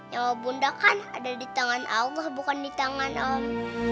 nyawa bunda kan ada di tangan allah bukan di tangan allah